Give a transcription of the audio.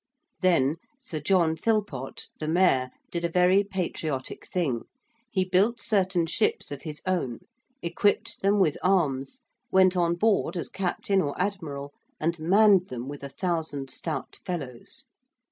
Then Sir John Philpot, the Mayor, did a very patriotic thing. He built certain ships of his own, equipped them with arms, went on board as captain or admiral, and manned them with a thousand stout fellows.